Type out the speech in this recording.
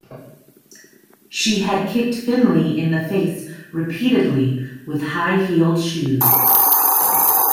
She had kicked Finley in the face repeatedly with high heeled shoes.